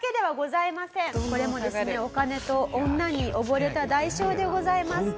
これもですねお金と女に溺れた代償でございます。